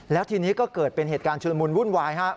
แล้วทีนี้ก็เกิดเป็นเหตุการณ์ชุลมุนวุ่นวายครับ